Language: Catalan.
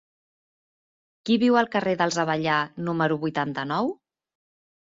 Qui viu al carrer dels Avellà número vuitanta-nou?